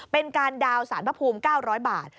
เป็นการดาวนสารพระภูมิ๙๐๐บาท